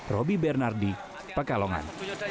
roby bernardi pakalongan